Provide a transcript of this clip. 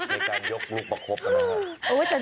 ในการยกลูกประคบกันนะครับ